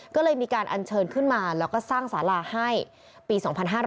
ก็เลยมีการอัญเชิญขึ้นมาแล้วก็สร้างสาราให้ปี๒๕๕๙